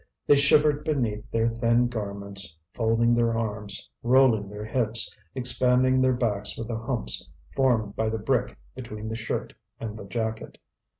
They shivered beneath their thin garments, folding their arms, rolling their hips, expanding their backs with the humps formed by the brick between the shirt and the jacket.